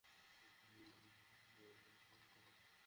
আমার সাথে এতো ঠাট্টা করিস না, বিক্রম!